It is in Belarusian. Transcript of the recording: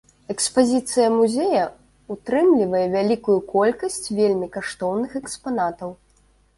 Экспазіцыя музея ўтрымлівае вялікую колькасць вельмі каштоўных экспанатаў.